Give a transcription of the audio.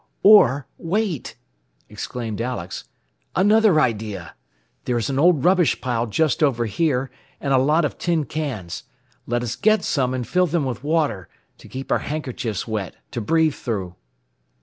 "Or; wait!" exclaimed Alex. "Another idea. There is an old rubbish pile just over here, and a lot of tin cans. Let us get some, and fill them with water to keep our handkerchiefs wet, to breathe through."